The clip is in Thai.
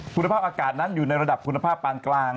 คุณภาพอากาศนั้นอยู่ในระดับคุณภาพปานกลาง